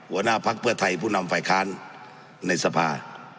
หัวหน้าภักดิ์เพื่อไทยผู้นำฝ่ายค้านในสภา